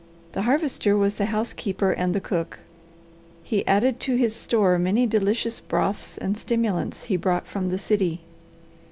The Harvester was the housekeeper and the cook. He added to his store many delicious broths and stimulants he brought from the city.